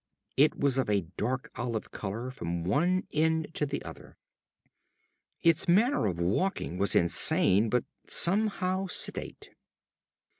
It was of a dark olive color from one end to the other. Its manner of walking was insane but somehow sedate.